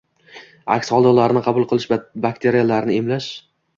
aks holda ularni qabul qilish bakteriyalarni «emlash»